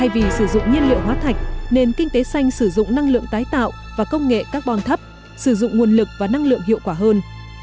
vì sử dụng nhiên liệu hóa thạch nền kinh tế xanh sử dụng năng lượng tái tạo và công nghệ carbon thấp sử dụng nguồn lực và năng lượng hiệu quả hơn